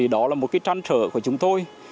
đó là một tranh trở của chúng tôi